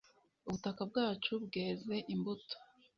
Ubutaka bwacu bweze imbuto